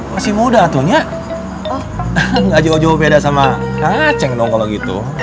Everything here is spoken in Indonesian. masih muda atuhnya enggak jauh jauh beda sama kaceng dong kalau gitu